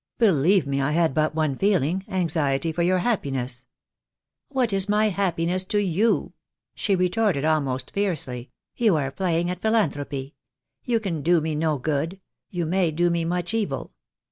"Believe me I had but one feeling, anxiety for your happiness." "What is my happiness to you?" she retorted, almost fiercely. "You are playing at philanthropy. You can do me no good — you may do me much evil.